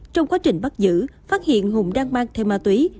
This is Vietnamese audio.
trong quá trình bắt giữ phát hiện hùng đang mang theo ma túy